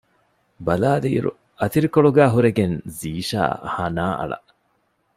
ބަލާލިއިރު އަތިރިކޮޅުގައި ހުރެގެން ޒީޝާ ހަނާ އަޅަ